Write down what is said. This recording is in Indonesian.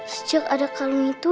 sejak ada kalung itu